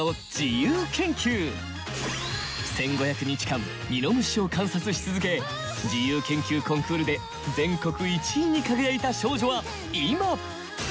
１５００日間ミノムシを観察し続け自由研究コンクールで全国１位に輝いた少女は今！